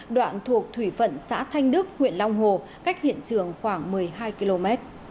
đoạn thuộc thủy phận xã thanh đức huyện long hồ cách hiện trường khoảng một mươi hai km